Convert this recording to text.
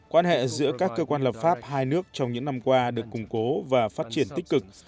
quan hệ giữa các cơ quan lập pháp hai nước trong những năm qua được củng cố và phát triển tích cực